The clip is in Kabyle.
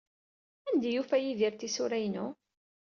Anda ay yufa Yidir tisura-inu?